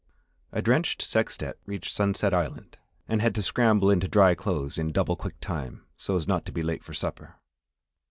A drenched sextette reached Sunset Island, and had to scramble into dry clothes in double quick time so as not to be late for supper.